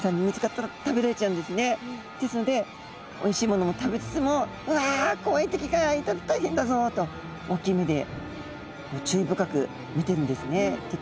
ですのでおいしいものも食べつつも「うわ怖い敵がいたら大変だぞ！」と大きい目で注意深く見てるんですね敵も。